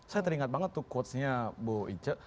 saya teringat banget tuh quotes nya bu ije